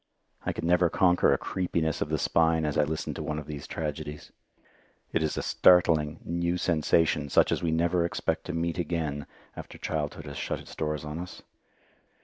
I can never conquer a creepiness of the spine as I listen to one of these tragedies. It is a startling, new sensation such as we never expect to meet again after childhood has shut its doors on us.